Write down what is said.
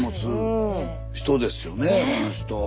あの人。